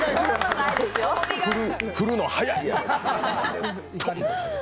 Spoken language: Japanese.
振るの早い！って。